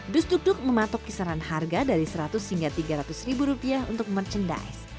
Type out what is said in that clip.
dus duk duk mematok kisaran harga dari seratus hingga tiga ratus ribu rupiah untuk merchandise